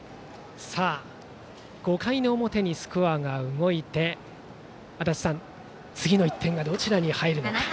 ５回の表にスコアが動いて足達さん、次の１点がどちらに入るのか。